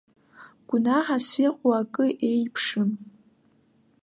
Гәнаҳас иҟоу акы еиԥшым.